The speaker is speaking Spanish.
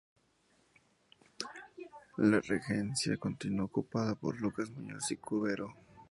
La regencia continuó ocupada por Lucas Muñoz y Cubero.